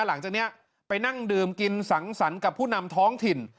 หลังจากนี้ไปนั่งดื่มกินสังสรรค์กับผู้นำท้องถิ่น